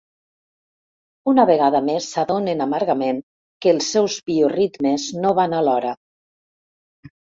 Una vegada més s'adonen amargament que els seus bioritmes no van alhora.